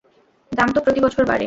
দাম তো প্রতি বছর বাড়ে।